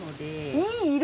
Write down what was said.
いい色！